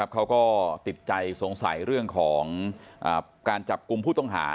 เขาก็ติดใจสงสัยเรื่องของการจับกลุ่มผู้ต้องหา